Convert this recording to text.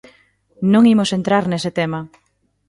Non imos entrar nese tema.